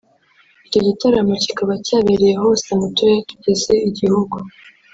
Icyo gitaramo kikaba cyabereye hose mu turere tugize igihugu